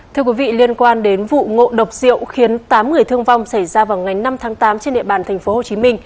thưa quý vị liên quan đến vụ ngộ độc rượu khiến tám người thương vong xảy ra vào ngày năm tháng tám trên địa bàn tp hcm